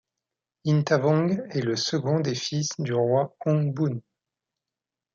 Inthavong est le second des fils de du roi Ong Boun.